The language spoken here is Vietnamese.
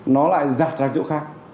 nó lại giặt ra chỗ khác